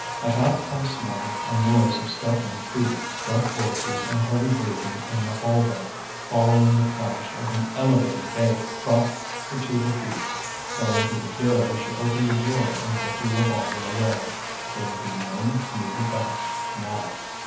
At half past nine a noise of scuffling feet, gruff voices and heavy breathing in the hallway, following the clash of an elevator gate, brought her to her feet. Going to the bureau, she opened a drawer and put the revolver away. There would be no need of that, now.